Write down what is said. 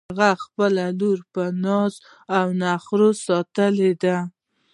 هغې خپله لور په ناز او نخروساتلی ده